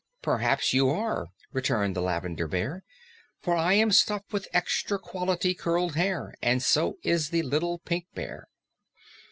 "Perhaps you are," returned the Lavender Bear, "for I am stuffed with extra quality curled hair, and so is the Little Pink Bear."